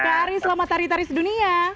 kak ari selamat tari tari sedunia